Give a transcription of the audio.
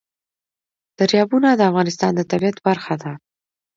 دریابونه د افغانستان د طبیعت برخه ده.